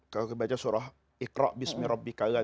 kalau kita baca surah ikhraq bismillahirrahmanirrahim